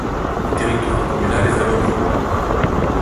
Le territoire communal est vallonné.